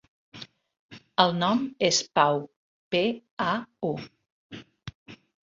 El nom és Pau: pe, a, u.